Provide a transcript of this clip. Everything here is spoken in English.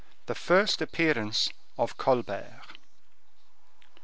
The First Appearance of Colbert.